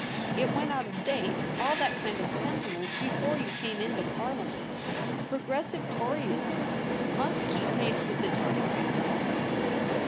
It went out of date, all that kind of sentiment, before you came into Parliament. Progres sive Toryism must keep pace with the times, you know.'